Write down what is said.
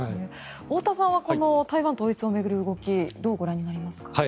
太田さんはこの台湾統一を巡る動きどうご覧になりますか？